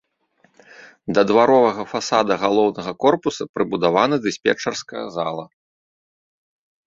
Да дваровага фасада галоўнага корпуса прыбудавана дыспетчарская зала.